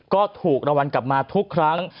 ก็ถูกรวรรณกลับมาทุกครั้ง